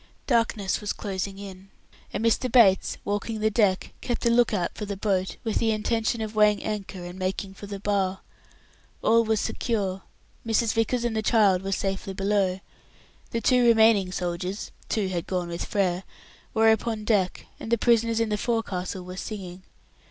Darkness was closing in, and Mr. Bates, walking the deck, kept a look out for the boat, with the intention of weighing anchor and making for the Bar. All was secure. Mrs. Vickers and the child were safely below. The two remaining soldiers (two had gone with Frere) were upon deck, and the prisoners in the forecastle were singing.